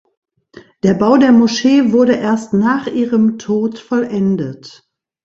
Der Bau der Moschee wurde erst nach ihrem Tod vollendet.